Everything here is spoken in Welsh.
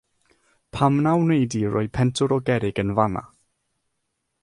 Pam na wnei di roi pentwr o gerrig yn fan 'na?